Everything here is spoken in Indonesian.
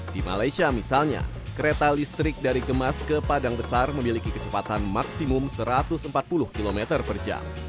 di malaysia misalnya kereta listrik dari kemas ke padang besar memiliki kecepatan maksimum satu ratus empat puluh km per jam